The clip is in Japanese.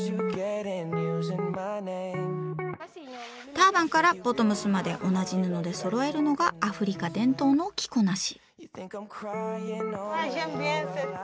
ターバンからボトムスまで同じ布でそろえるのがアフリカ伝統の着こなし。